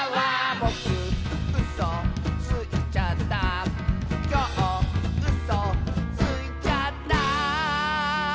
「ぼくうそついちゃった」「きょううそついちゃった」